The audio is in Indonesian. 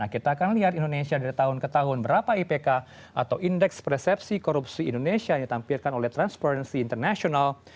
kita akan lihat indonesia dari tahun ke tahun berapa ipk atau indeks persepsi korupsi indonesia yang ditampilkan oleh transparency international